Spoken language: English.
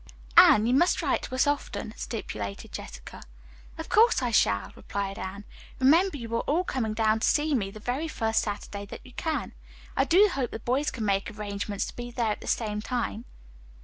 "Anne, you must write to us often," stipulated Jessica. "Of course I shall," replied Anne. "Remember you are all coming down to see me, the very first Saturday that you can. I do hope the boys can make arrangements to be there at the same time."